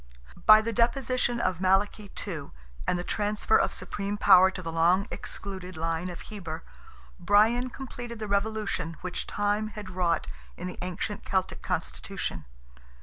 By the deposition of Malachy II., and the transfer of supreme power to the long excluded line of Heber, Brian completed the revolution which Time had wrought in the ancient Celtic constitution.